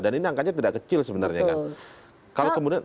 dan ini angkanya tidak kecil sebenarnya